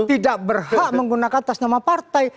tidak berhak menggunakan tas nama partai